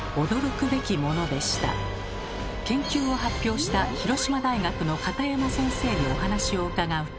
研究を発表した広島大学の片山先生にお話を伺うと。